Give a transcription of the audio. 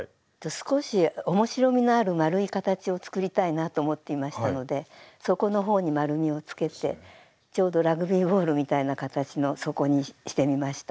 少し面白みのある丸い形を作りたいなと思っていましたので底の方に丸みをつけてちょうどラグビーボールみたいな形の底にしてみました。